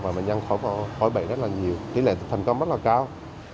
và bệnh nhân khỏi bệnh rất là nhiều tỷ lệ thành công rất là cao